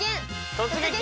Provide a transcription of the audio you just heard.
「突撃！